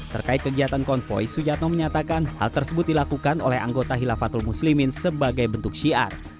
terkait kegiatan konvoy sujatno menyatakan hal tersebut dilakukan oleh anggota hilafatul muslimin sebagai bentuk syiar